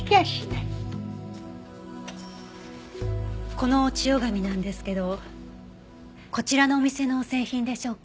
この千代紙なんですけどこちらのお店の製品でしょうか？